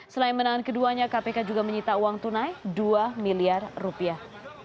selain menahan keduanya kpk juga menyita uang tunai dua miliar rupiah